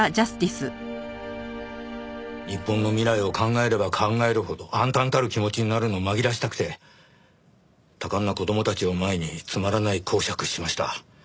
日本の未来を考えれば考えるほど暗たんたる気持ちになるのを紛らわしたくて多感な子供たちを前につまらない講釈しました。